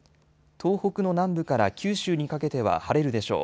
東北の南部から九州にかけては晴れるでしょう。